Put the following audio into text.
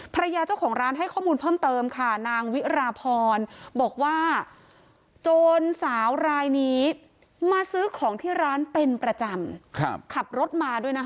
ภรรยาเจ้าของร้านให้ข้อมูลเพิ่มเติมค่ะนางวิราพรบอกว่าโจรสาวรายนี้มาซื้อของที่ร้านเป็นประจำขับรถมาด้วยนะคะ